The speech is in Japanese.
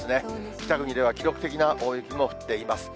北国では記録的な大雪も降っています。